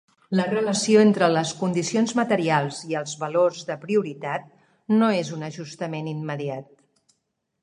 La relació entre les condicions materials i els valors de prioritat no és un ajustament immediat.